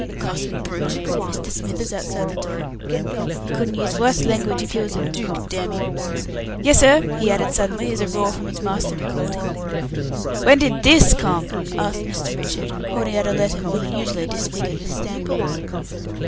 "Cussed brute," said Mr. Smithers, outside the door. "He couldn't use wuss langwidge if he was a dook, dam 'im! Yessir," he added, suddenly, as a roar from his master recalled him. "When did this come?" asked Mr. Richard, holding out a letter more than usually disfigured with stampings.